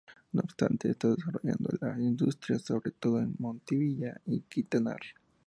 No obstante, se está desarrollando la industria, sobre todo, en Motilla y Quintanar.